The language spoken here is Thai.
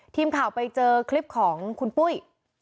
ทีมข่าวไปเจอคลิปของคุณปุ้ย